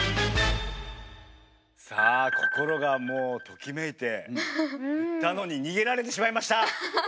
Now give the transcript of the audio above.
さあ心がもうときめいていたのに逃げられてしまいました。